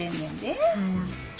あら。